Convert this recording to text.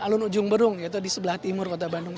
dan alun alun ujung berung yaitu di sebelah timur kota bandung